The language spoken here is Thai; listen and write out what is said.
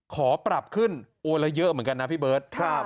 ขอปรับขึ้นโอ้ละเยอะเหมือนกันนะพี่เบิร์ต